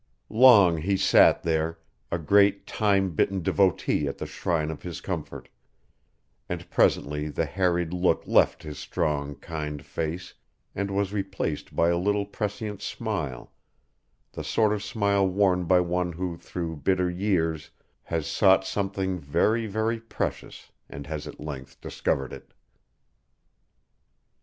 Long he sat there, a great, time bitten devotee at the shrine of his comfort; and presently the harried look left his strong, kind face and was replaced by a little prescient smile the sort of smile worn by one who through bitter years has sought something very, very precious and has at length discovered it.